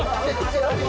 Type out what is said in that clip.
setiap aku sedih